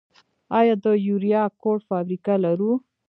آیا د یوریا کود فابریکه لرو؟